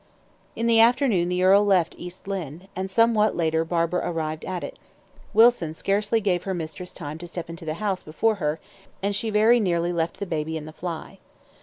In the afternoon the earl left East Lynne, and somewhat later Barbara arrived at it. Wilson scarcely gave her mistress time to step into the house before her, and she very nearly left the baby in the fly.